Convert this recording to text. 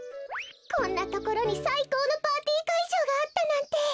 こんなところにさいこうのパーティーかいじょうがあったなんて！